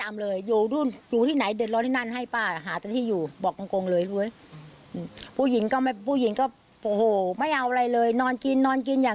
แม่ก็มันเกินไปมันทำเกินไปผู้หญิงมันก็ไม่เบาบ่องกงมันก็ไม่ธรรมดา